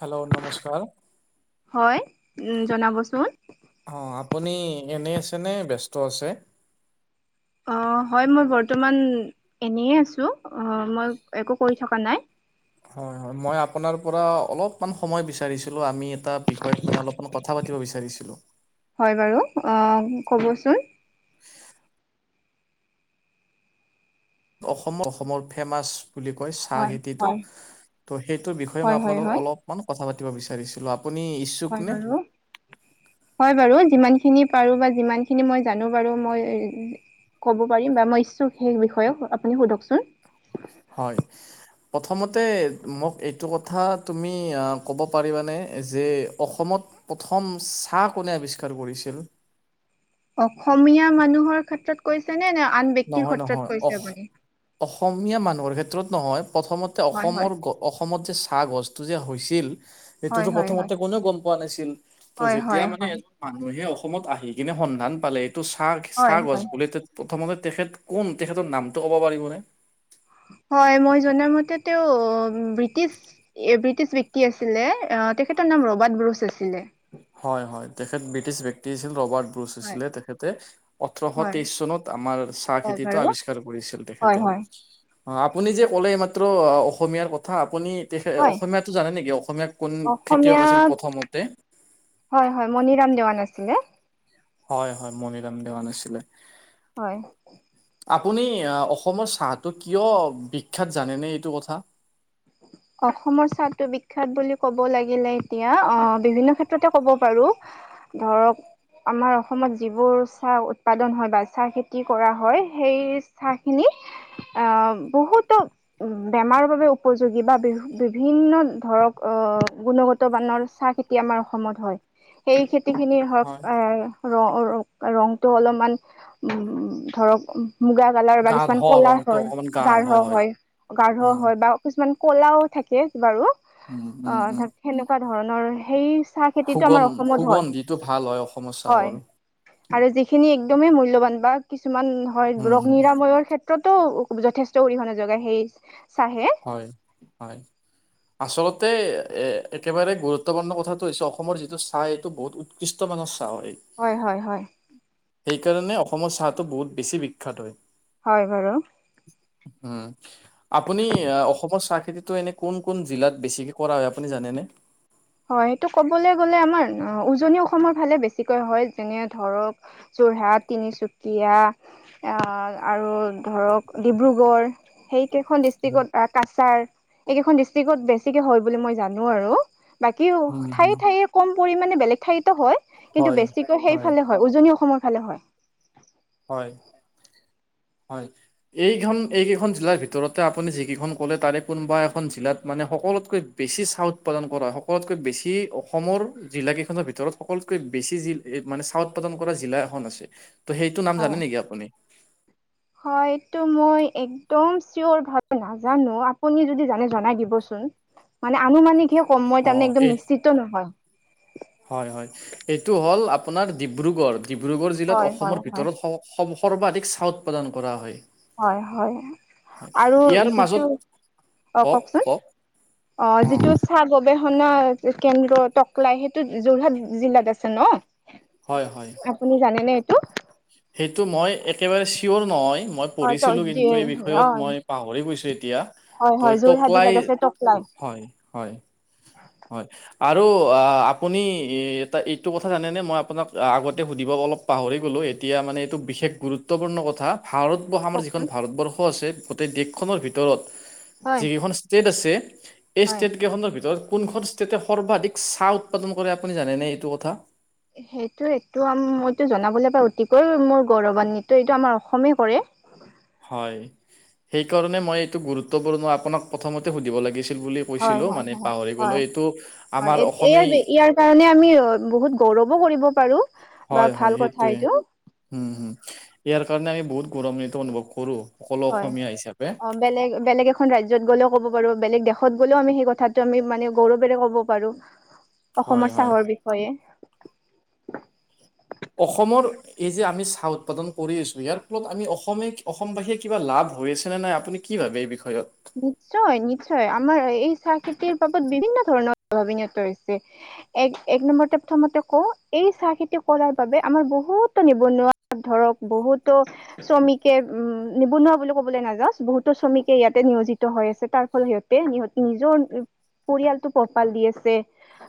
Hello নমস্কাৰ। হয়, উ জনাবচোন। অ, আপুনি এনেই আছে নে ব্যস্ত আছে অ, হয় মই বৰ্তমান এনে আছো, মই একো কৰি থকা নাই। হয়, হয় মই আপোনাৰ পৰা অলপমান সময় বিচাৰিছিলো। আমি এটা বিষয়ত মানে অলপমান কথা পাতিব বিচাৰিছিলো। হয়, বাৰু অ ক'বচোন। [unintelligible] অসমৰ অসমৰ ফেমাছ বুলি কয় চাহ হয় খেতিটো হয় ত' সেইটোৰ বিষয়ে মই হয় হয় আপোনালোকক হয় অলপমান কথা পাতিব বিচাৰিছিলো আ হয় বাৰু হয় বাৰু। যিমান খিনি পাৰো বা যিমানখিনি মই জানো পাৰো মই ক'ব পাৰিম বা মই ইচ্ছুক সেই বিষয়ে আপুনি সোধকচোন। হয়। প্ৰথমতে মোক এইটো কথা তুমি ক'ব পাৰিবানে, যে অসমত প্ৰথম চাহ কোনে আৱিষ্কাৰ কৰিছিল? অসমীয়া মানুহৰ ক্ষেত্ৰত কৈছে নে নে আন ব্যক্তিৰ নহয় নহয় ক্ষেত্ৰত কৈছে অস আপুনি? অসমীয়া মানুহৰ ক্ষেত্ৰত নহয় প্ৰথমতে হয় হয় অসমৰ অসমত যে চাহ গছটো যে হৈছিল, হয় সেইটোতো হয় হয় প্ৰথমতে কোনেও গম পোৱা নাছিল ত হয় যেতিয়া হয় মানে হয় এজন মানুহে অসমত আহি কিনে সন্ধান পালে এইটো চাহ হয় চাহ হয় গছ বুলি প্ৰথমতে তেখেত কোন তেখেতৰ নামটো ক'ব পাৰিবনে? হয়। হয়, মই জনা মতে তেওঁ ব্ৰিটিছ ব্ৰিটিছ বক্তি আছিলে। তেখেতৰ নাম ৰবাৰ্ট ব্ৰছ আছিলে। হয় হয় তেখেত ব্ৰিটছ ব্যক্তি আছিল ৰবাৰ্ট ব্ৰুচ হয়। আছিলে তেখেতে ওঠৰশ হয় তেইশ চনত আমাৰ চাহ হয় খেতিটো বাৰু আৱিষ্কাৰ কৰিছিলে হয় তেখেতে। হয় অ, আপুনি যে ক'লে এই মাত্ৰ অ অসমীয়াৰ কথা আপুনি তেখেত হয় অসমীয়াটো জানে নেকি? অসমীয়া কোন খেতিয়ক আছিল অসমীয়াত প্ৰথমতে? হয়, হয় মণিৰাম দেৱান আছিলে। হয়, হয় মনিৰাম দেৱান আছিলে। হয়। আপুনি অসমৰ চাহটো কিয় বিখ্যাত জানেনে এইটো কথা? অসমৰ চাহটো বিখ্যাত বুলি ক'ব লাগিলে এতিয়া অ বিভিন্ন ক্ষেত্ৰতে ক'ব পাৰো। ধৰক, আমাৰ অসমত যিবোৰ চাহ উৎপাদন হয় বা চাহ খেতি কৰা হয়, সেই চাহ খিনিত অ, বহুতো বেমাৰৰ বাবে উপযোগী বা বি বিভিন্ন ধৰক অ গুণগত বানৰ চাহ খেতি আমাৰ অসমত হয়। সেই গুটিখিনি ধৰক হয় ৰ ৰংটো অলপমান ধৰক মুগা কালাৰ বা কিছুমান গাঢ় ক'লা ৰংটো হয়, অকমান গাঢ় হয় গাঢ় অ হয় বা কিছুমান কলাও থাকে বাৰু উম অ, উম উম ধৰক সেনেকুৱা ধৰণৰ সেই চাহ খেতিটো সুগন আমাৰ অসমত হয়। সুগন্ধিটো ভাল হয় অসমৰ হয়, চাহৰ। আৰু যিখিনি একদমেই মূল্যবান বা কিছুমান হয় উম ৰোগ হম নিৰাময়ৰ ক্ষেত্ৰতো যথেষ্ট অৰিহণা যোগায় সেই চাহে। হয়। হয় আচলতে এ একেবাৰে গুৰুত্বপূৰ্ণ কথাটো হৈছে অসমৰ যিটো চাহ এইটো বহুত উৎকৃষ্ট মানহ হয় হয় হয়। সেইকাৰণে অসমৰ চাহটো বহুত বেছি বিখ্যাত হয়। হয় বাৰু। উম আপুনি আহ, অসমৰ চাহ খেতিটো এনে কোন কোন জিলাত বেছিকে কৰা হয় আপুনি জানেনে? হয় সেইটো ক'বলৈ গলে আমাৰ উজনি অসমৰ ফালে বেছিকৈ হয় যেনে ধৰক যোৰহাট, তিনিচুকীয়া আৰু ধৰক ডিব্ৰুগড় সেই এই কেইখন ডিষ্টিক কাছাৰ এই কেইখন ডিষ্টিক বেছিকে হয় বুলি মই জানো আৰু। বাকী উম হম ঠায়ে ঠায়ে কম পৰিমামানে বেলেগ ঠায়তো হয়। কিন্তু বেছিকৈ সেইফালে হয় উজনি অসমৰ ফালে হয়। হয় হয় এইখন এইকেইখন জিলাৰ ভিতৰতে আপুনি যিকেইখন ক'লে তাৰে কোনোবা এখন জিলাত মানে সকলোতকৈ বেছি চাহ উৎপাদন কৰা সকলোতকৈ বেছি অসমৰ জিলাকেইখনৰ ভিতৰত সকলোতকৈ বেছি বেছি যি মানে চাহ উৎপাদন কৰা জিলা এখন আছে। ত' সেইটো নাম হয় জানে নেকি আপুনি? হয়টো মই একদম চিয়ৰ ভালকে নেজানো আপুনি যদি জনে জনাই দিব চোন মানে আমি মানে কি হ মই তানে অ', একদম এই [unintelligible] নহয় হয় হয় এইটো হ'ল আপোনাৰ ডিব্ৰুগড় ডিব্ৰুগড় জিলাত হয় হয় অসমৰ হয়। ভিতৰত স স সৰ্বাধিক চাহ উৎপাদান কৰা হয়। হয় হয় হয়, আৰু ইয়াৰ মাজত যিটো অ কওক, কওকচোন কওক অ যিটো চাহ গবেষ- ষনা কেন্দ্ৰ টকলাই সেইটো যোৰহাট জিলাত আছে ন হয়, হয়। আপুনি জানেনে। এইটো? সেইটো মই একেবাৰে চিয়'ৰ নহয় মই হয় ত অ পঢ়িছিলোঁ কিন্তু এই বিষয়ত মই পাহৰি দিয়া হয় ট হয় যোৰহাট টকলাই জিলাত আছে টকলাই হয় হয়। হয় আৰু আপুনি এটা এইটো কথা জানে মই আপোনাক আগতে সুধিব অলপ পাহৰি গ'লোঁ এতিয়া মানে এইটো বিশেষ গুৰুত্বপূৰ্ণ কথা। ভাৰতবৰ্ষ আমাৰ যিখন কওকচোন ভাৰতবৰ্ষ আছে গোটেই দেশখনৰ ভিতৰত হয় যিকেইখন ষ্টেট আছে এই হয়। ষ্টেট কেইখনৰ ভিতৰত কোনখন ষ্টেটে সৰ্বাধিক চাহ উৎপাদন কৰে আপুনি জানেনে এইটো কথা? সেইটো এইটো মইতো জনাবলৈ পাই অতিকৈ মোৰ গৌৰৱান্বিত এইটো আমাৰ অসমে কৰে। [inaudible] সেই কাৰণে মই এইটো গুৰুত্বপূৰ্ণ আপোনাক প্ৰথমতে সুধিব লাগিছিল। বুলি হয় কৈছিলো হয় মানে পাহৰি গ'লো হয় এইটো হয় আমাৰ অসমেই ইয়াৰ কাৰণে আমি বহুত গৌৰৱ কৰিব পাৰো। বা হয় হয় ভাল কথা সেইটোৱে এইটো হম হম ইয়াৰ কাৰণে আমি বহুত গৌৰৱান্বিত অনুভৱ কৰো। সকলো হয় অসমীয়া হিচাপে অ বেলেগ বেলেগ এখন ৰাজ্যত গ'লেও ক'ব পাৰো বেলেগ দেশত গ'লেও আমি সেই কথাটো আমি মানে গৌৰৱেৰে ক'ব পাৰো। হয় অসমৰ হয় চাহৰ বিষয়ে। অসমৰ এই যে আমি চাহ উৎপাদন কৰি আছো ইয়াৰ ফলত আমি অসমে অসমবাসীয়ে কিবা লাভ হৈ আছে নে নাই আপুনি ভাবে এই বিষয়ে নিশ্চয় নিশ্চয় আমাৰ এই চাহ খেতিৰ বাবদ বিভিন্ন ধৰণৰ প্ৰ্ভাৱত হৈছে এক এক নম্বৰতে প্ৰথমতে কওঁ এই চাহ খেতি কৰাৰ বাবে আমাৰ বহুতো নিবনুৱা ধৰক বহুতো শ্ৰমিকে উম নিবনুৱ বুলি কবলৈ নাযাও বহুতো শ্ৰমিকে ইয়াত তে নিয়োজিত হৈ আছে তাৰ ফলত সিহতে সহতি নিজৰ পৰিয়ালটো পোহপাল দি আছে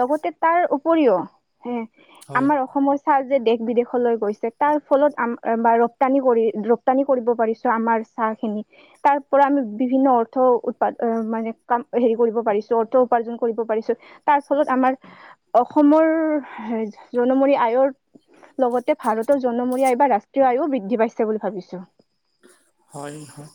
লগতে তাৰ উপৰিও হে হয় আমাৰ অসমৰ চাল দেশ বিদেশলৈ গৈছে তাৰ ফলত আম ৰপ্তানি কৰি ৰপ্তানি কৰিব পাৰিছো। আমাৰ খিনি তাৰ পৰা আমি বিভিন্ন অৰ্থ উৎপাদ মানে কাম হেৰি কৰিব পাৰিছো অৰ্থ উপাৰ্জন কৰিব পাৰিছো। তাৰ ফলত আম আমাৰ অসমৰ জনমূৰি আয়ৰ [inaudible] লগতে ভাৰতৰ জনমৰি আ বা ৰাষ্ট্ৰীয় আয়ো বৃদ্ধি পাইছে বুলি ভাবিছো। হয় হয়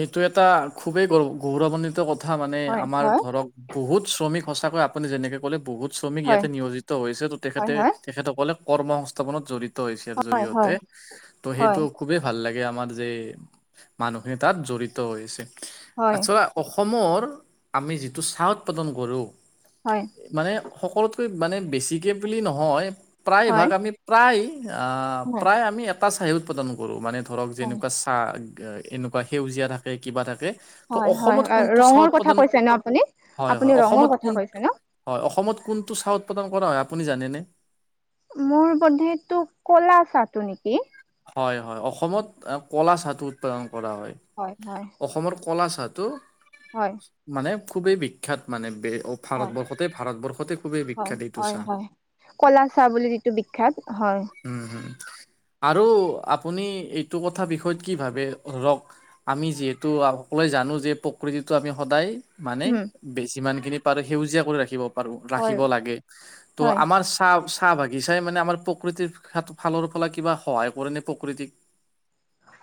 এইটো এটা খুবেই গৰ গৌৰৱান্বিত কথা। কথা মানে হয় আমাৰ হয় ধৰক বহুত শ্ৰমিক সঁচাকৈ আপুনি যেনেকে ক'লে বহুত শ্ৰমিক হয় ইয়াতে নিয়োজিত হৈছে ত তেখেতে হয় হয় তেখেতসকলে কৰ্ম সংস্থাপনত জড়িত। এছিয়াৰ জৰিয়তে হয় ত' সেইটো হয় খুবেই ভাল লাগে আমাৰ যে মানুহে তাত জড়িত হৈছে হয় আচলতে অসমৰ আমি যিটো চাহ উৎপাদন কৰো হয় মানে সকলোত মানে বেছিকৈ বুলি নহয় প্ৰায়ভাগ হয় আমি প্ৰায় হয় প্ৰায় আমি এটা চাহে উৎপাদন কৰোঁ মানে ধৰক যেনেকুৱা চাহ এনেকুৱা সেউজীয়া থাকে কিবা থাকে ত' হয় হয় অসমত হয় কোনটো চাহ ৰঙৰ কথা উৎপাদান কৈছে ন আপুনি হয় আপুনি হয় ৰঙৰ অসমত কথা কোন কৈছে ন হয় অসমত কোনটো চাহ উৎপাদন কৰা হয় আপুনি জানেনে? মোৰ বধিটো কলা চাহ টো নেকি? হয় হয় অসমত কলা চাহ টো উৎপাদন কৰা হয় অসমৰ কলা চাহ হয়। খুবেই বিখ্যাত মানে বে হয় ভাৰতবৰ্ষতে ভাৰতবৰ্ষতে খুবেই হয় বিখ্যাত এইটো হয় চাহ। হয় কলা চাহ বুলি যিটো বিখ্যাত হয় উম হম আৰু আপুনি এইটো কথা বিষয়ত কি ভাবে ধৰক আমি যিহেতু অকলে যা জানো যে প্ৰকৃতিটো আমি সদায় মানে উম বেচি যিমানখিনি পাৰো সেউজীয়া কৰি ৰাখিব প হয় ৰাখিব লাগে ত হয় আমাৰ চাহ চাহ বাগিচাই মানে আমাৰ প্ৰকৃতিৰ ফালৰ ফালে কিবা সহায় কৰে ন প্ৰকৃতিক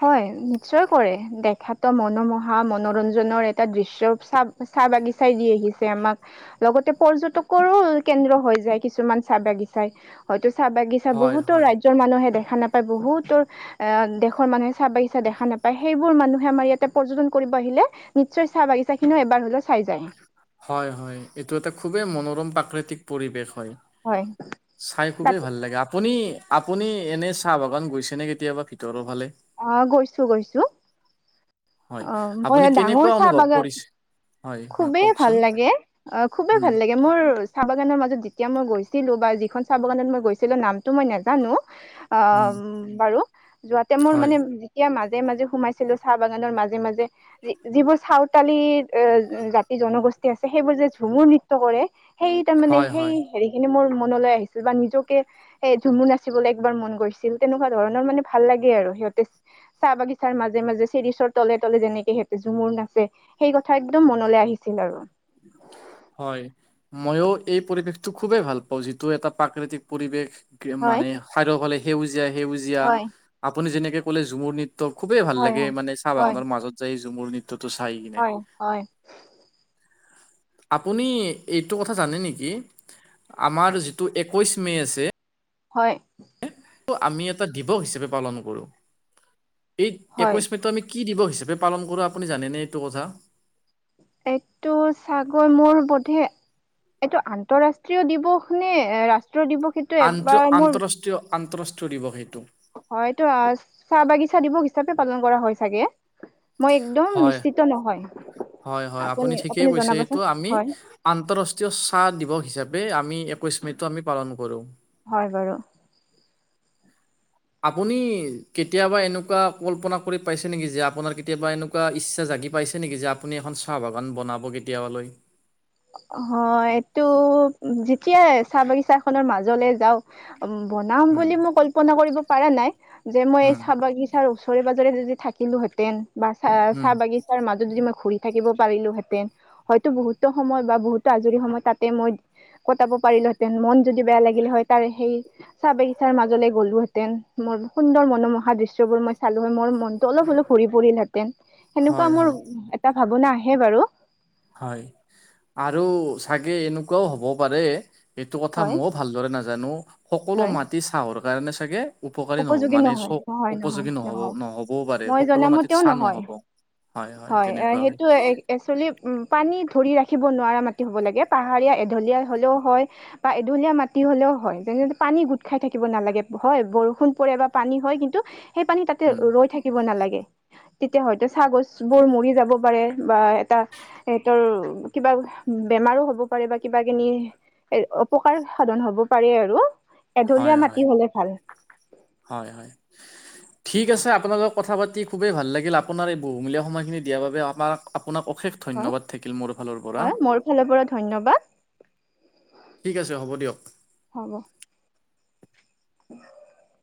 হয় নিশ্চয় কৰে তেখেতৰ মনোমোহা মনোৰঞ্জনৰ এটা দৃশ্য চাপ চাহ বাগিচাই দি আহিছে আমাক লগতে পৰ্যটকৰো কেন্দ্ৰ হৈ যায় কিছুমান চাহ বাগি ব হয়তো চাহ বাগিচা হয় বহুতো হয় ৰাজ্যৰ মানুহে দেখা নাপায় বহুতৰ মানুহে চাহ বাগিচা দেখা নাপায় সেইবোৰ মানুহে আমাৰ ইয়াতে পৰ্যটন কৰিব আহিলে নিশ্চয় চাহ বাগিচা খিনিও এবাৰ হলে চাই যায়। হয় হয় এইটো এটা খুবেই মনোৰম প্ৰাকৃতিক পৰিৱেশ। হয়। চাই তাত খুবেই ভাল লাগে। আপুনি আপুনি এনে চাহ বাগান গৈছে নে কেতিয়াবা ভিতৰৰ ফালে। আহ গৈছো গৈছো হয় অ মই আপুনি কেনেকুৱা ডাঙৰ চাহ অনুভৱ বাগান কৰিছে হয় হয় খুবেই ভাল কওকচোন লাগে অ খুবেই উম ভাল লাগে মোৰ চাহ বাগানৰ মাজত যেতিয়া মই গৈছো। আছিলো বা যিখন চাহ বাগানত মই গৈছিলো নামতটো মই নোজানো অ উম বাৰু যোৱাতে মোৰ হয়, মানে যেতিয়া মাজে মাজে সোমাইছিলো চাহ বাগানৰ মাজে মাজে যিবোৰ চাউতালি এ জাতি জনগোষ্ঠী আছে সেইবোৰ যে ঝুমুৰ নৃত্য কৰে। সেই তাৰ মানে হয়, সেই হয়, হেৰি খিনি মোৰ মনলৈ আহিছিল বা নিজকে এ ঝুমু নাচিবলৈ একবাৰ মন গৈছিল তেনেকুৱা ধৰণৰ মানে ভাল লাগে আৰু সিহঁতে চাহ বাগিচাৰ মাজে মাজে চিৰিচৰ তলে তলে যেনেকে হেঁতে ঝুমুৰ নাচে সেই কথা একদম মনলৈ আহিছিল আৰু। [inaudible] হয় ময়ও এই পৰিৱেশটো খুবেই ভাল পাওঁ। যিটো এটা প্ৰাকৃতিক পৰিৱেশ হয়। মানে খাইদ সকলে সেউজীয়া সেউজীয়া হয় আপুনি যেনেকে ক'লে ঝুমুৰ নিত [unintelligible] ত' খুবেই ভাল হয় লাগে হয় মানে চাহ হয় বাগানৰ মাজত যায়ু ঝুমুৰ নৃ- হয় হয় আপুনি এইটো কথা জানে নেকি আমাৰ যিটো এ কৈশ মে' আছে হয় আমি এটা দিৱস হিচাপে পালন কৰো এই হয়। একৈশ মে টো আমি কি দিৱস হিচাপে পালন কৰোঁ আপুনি জানেনে এইটো কথা এইটো চাগৈ মোৰ বধে এইটো আন্তঃৰাষ্ট্ৰীয় দিৱস নে ৰাষ্ট্ৰীয় দিৱস এইটো এবাৰ মোৰ আন্তঃৰাষ্ট্ৰীয় দিৱস সেইটো হয়তো চাহ বাগিচা দিৱস হিচাপে পালন কৰা হয় চাগে মই একদম হয়। নিশ্চিত নহয় হয় হয় আপুনি ঠিকেই কৈছে এইটো আমি আন্তৰাষ্ট্ৰীয় চাহ দিৱস হিচাপে আমি একৈশ মেতো আমি পালন কৰো হয় বাৰু আপুনি কেতিয়াবা এনেকোৱা কল্পনা কৰি পাইছে নেকি যে আপোনাৰ কেতিয়াবা এনেকোৱা ইচ্ছা য লাগি পাইছে নেকি যে আপুনি এখন চাহ বাগান বনাব কেতিয়াবালৈ হয় এইটো যেতিয়া চাহ বাগিছা খনৰ মাজলে যাওঁ বনাম হুম বুলি মই কল্পনা কৰিব পৰা নাই যে মই এই হুম চাহ বাগিছাৰ ওচৰে পা জৰে যদি থাকিলো হেতেন বা চা হুম চাহ বাগিচাৰ মাজত যদি মই ঘুৰি থাকিব পাৰিলো হেতেন হয়তো বহুতো সময় বা বহুতো আজৰি সময়ত তাতে মই কটাব পাৰিলো হেতেন মন যদি বেয়া লাগিলে হয় তাৰ সেই চাহ বাগিচাৰ মাজলে গ'লো হেতেন সুন্দৰ মনোমোহা দৃশ্যবোৰ মই চালো হয় মোৰ অলপ অলপ ঘুৰি পৰিলোহেঁতেন সেনেকোৱা হয় মোৰ হয় এটা ভাৱনা আহে বাৰু হয় আৰু চাগে এনেকোৱাও হ'ব পাৰে সেইটো কথা হয় ময়ও ভালদৰে নাজানো সকলো হয় মাটি চাহৰ কাৰণে চাগে উপকাৰী নহব উপযোগী মানে নহয় চ নহয় নহয় উপযোগী নহব নহয় নহ'বও পাৰে মই সকলো মাটিত জনামতেও চাহ নহয় নহ'ব হয় সেইটো একচোৱেলি উম পানী ধৰি ৰাখিব নোৱাৰা মাটি হ'ব লাগে পাহাৰীয়া এঢলীয়া হলেও হয় বা এঢলীয়া মাটি হ'লেও হয় যেনে পানী গোট খাই থাকিব নালাগে হয় বৰষুণ ণ পৰে বা পানী হয় কিন্তু সেই পানী তাতে উম, ৰৈ থাকিব নালাগে [inaudible] তেতিয়া হয়তো চাহ গছ বোৰ মৰি যাব পাৰে বা এটা সিহতৰ কিবা বে মাৰো হ'ব পাৰে বা কিবা কিনি এ অপকাৰন সাধন হ'ব পাৰে আৰু হয়, এঢলীয়া মাটি হয়, হলে ভাল হয় হয় ঠিক আছে আপোনালত কথা পাতি খুবেই ভাল লাগিল আপোনাৰ এই বহুমূলীয়া সময়খিনি দিয়াৰ বাবে আমাক [unintelligible] আপোনাক অশেষ হয় ধন্যবাদ থাকিল মোৰ ফালৰ পৰা। হয় মোৰ ফালৰ পৰা ধন্যবাদ ঠিক আছে হ'ব দিয়ক। উ [unintelligible]